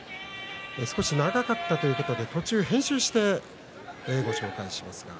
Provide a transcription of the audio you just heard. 少し長かったということで途中編集して、ご紹介します。